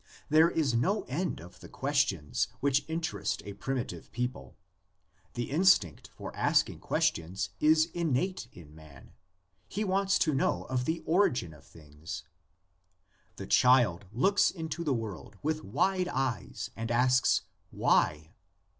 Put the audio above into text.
There is no end of the questions which interest a primi tive people. The instinct for asking questions is innate in man: he wants to know of the origin of things. The child looks into the world with wide eyes and asks, Why?